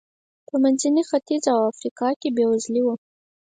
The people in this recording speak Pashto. په منځني ختیځ او افریقا کې بېوزلي و.